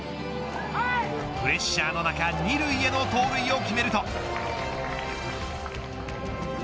プレッシャーの中２塁への盗塁を決めると。